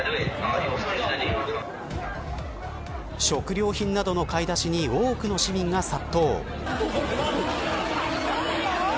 食料品などの買い出しに多くの市民が殺到。